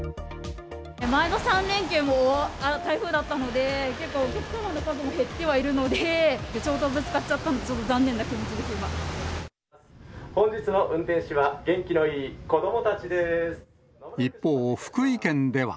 前の３連休も台風だったので、結構お客様の数も減ってはいるので、ちょうどぶつかっちゃったので、ちょっと残念な気持ちです、本日の運転士は元気のいい子一方、福井県では。